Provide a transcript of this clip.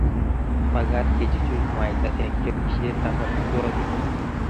Magat kechuchuch mwaita eng chobisietab amitwogik